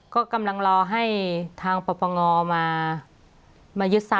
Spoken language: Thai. ก็กำลังรอให้ทางปปงมายึดทรั